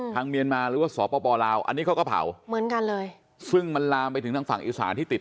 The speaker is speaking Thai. เมียนมาหรือว่าสปลาวอันนี้เขาก็เผาเหมือนกันเลยซึ่งมันลามไปถึงทางฝั่งอีสานที่ติด